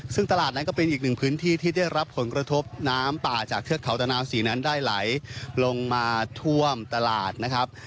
ซึ่งตลาดนั้นก็เป็นอีกหนึ่งพื้นที่ที่ได้รับผลกระทบน้ำป่าจากเทือกเขาตะนาวศรีนั้นได้ไหลลงมาท่วมตลาดนะครับ